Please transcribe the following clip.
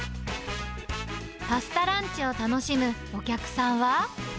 パスタランチを楽しむお客さんは。